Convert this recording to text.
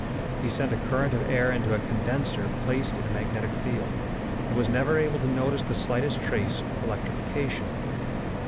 He sent a current of air into a condenser placed in a magnetic field, and was never able to notice the slightest trace of electrification.